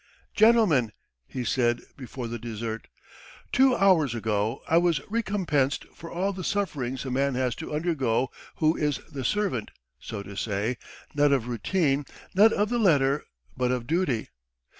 "Gentlemen!" he said before the dessert, "two hours ago I was recompensed for all the sufferings a man has to undergo who is the servant, so to say, not of routine, not of the letter, but of duty!